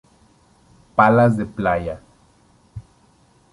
Palas de playa